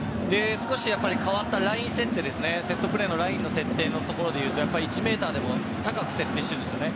少し変わったライン設定セットプレーのライン設定でいうと１ｍでも高く設定してるんですよね。